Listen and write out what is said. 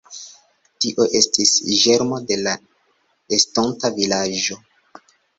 Tio estis ĝermo de la estonta vilaĝo.